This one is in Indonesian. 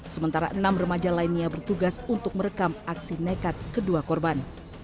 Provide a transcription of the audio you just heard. sementara enam remaja lainnya bertugas untuk merekam aksi nekat kedua korban